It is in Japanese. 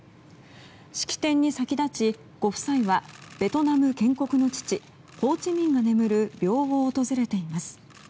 式典に先立ち、ご夫妻はベトナム建国の父ホー・チ・ミンが眠る廟を訪れています。